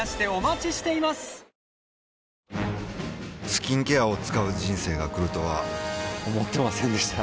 スキンケアを使う人生が来るとは思ってませんでした